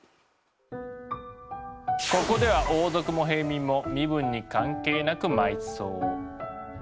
ここでは王族も平民も身分に関係なく埋葬。